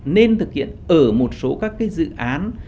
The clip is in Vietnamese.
nên thực hiện ở một số các cái dự án